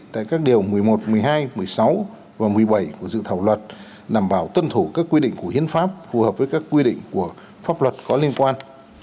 tại các điều một mươi một một mươi hai một mươi sáu và một mươi bảy của dự thảo luật đảm bảo tuân thủ các quy định của hiến pháp phù hợp với các quy định của pháp luật có liên quan